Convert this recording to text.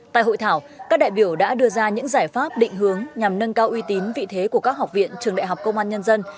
tại hội thảo các đại biểu đã đưa ra những giải pháp định hướng nhằm nâng cao uy tín vị thế của các học viện trường đại học công an nhân dân